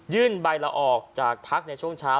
ใบละออกจากพักในช่วงเช้า